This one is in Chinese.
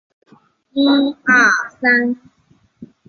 为二级大检察官。